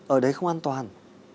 ở đấy không an toàn